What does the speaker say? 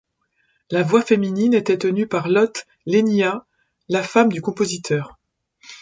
La voix féminine était tenue par Lotte Lenya, la femme du compositeur.